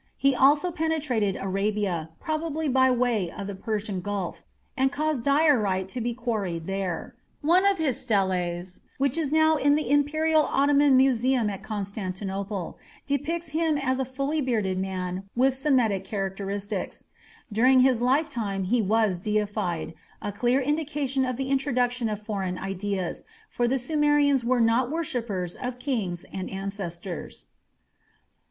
He also penetrated Arabia, probably by way of the Persian Gulf, and caused diorite to be quarried there. One of his steles, which is now in the Imperial Ottoman Museum at Constantinople, depicts him as a fully bearded man with Semitic characteristics. During his lifetime he was deified a clear indication of the introduction of foreign ideas, for the Sumerians were not worshippers of kings and ancestors.